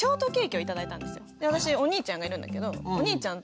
で私お兄ちゃんがいるんだけどお兄ちゃんと分けて食べたの。